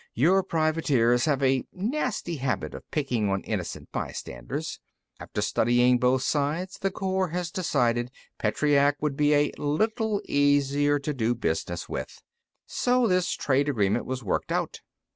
Your privateers have a nasty habit of picking on innocent bystanders. After studying both sides, the Corps has decided Petreac would be a little easier to do business with. So this trade agreement was worked out.